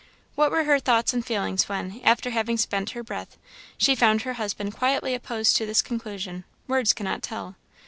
What were her thoughts and feelings, when, after having spent her breath, she found her husband quietly opposed to this conclusion, words cannot tell.